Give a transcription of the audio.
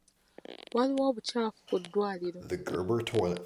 Waliwo obukyafu ku ddwaliro.